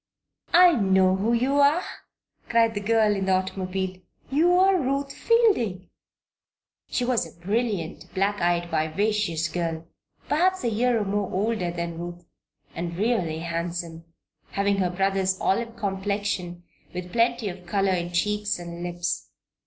"I know who you are!" cried the girl in the automobile. "You are Ruth Fielding." She was a brilliant, black eyed, vivacious girl, perhaps a year or more older than Ruth, and really handsome, having her brother's olive complexion with plenty of color in cheeks and lips.